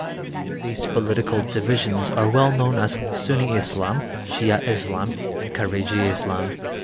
These political divisions are well known as Sunni Islam, Shia Islam and Khariji Islam.